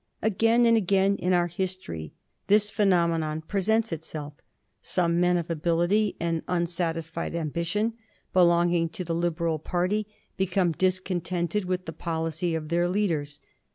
Again and again in our history this phenomenon presents itself. Some men of ability and unsatisfied ambition belonging to the Liberal party become discontented with the policy of their leaders.